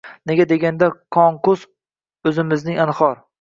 Nega deganda, Qonqus o‘zimizning anhor.